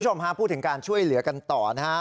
คุณผู้ชมฮะพูดถึงการช่วยเหลือกันต่อนะฮะ